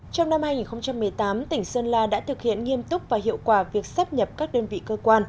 trong năm hai nghìn một mươi tám tỉnh sơn la đã thực hiện nghiêm túc và hiệu quả việc sắp nhập các đơn vị cơ quan